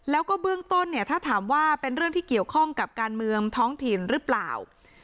แล้วก็เบื้องต้นเนี่ยถ้าถามว่าเป็นเรื่องที่เกี่ยวข้องกับการเมืองท้องถิ่นหรือเปล่า